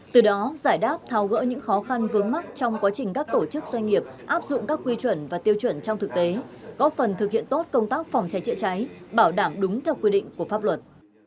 từ đó giải đáp tháo gỡ những khó khăn vướng mắt trong quá trình các tổ chức doanh nghiệp áp dụng các quy chuẩn và tiêu chuẩn trong thực tế góp phần thực hiện tốt công tác phòng cháy chữa cháy bảo đảm đúng theo quy định của pháp luật